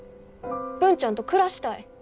文ちゃんと暮らしたい。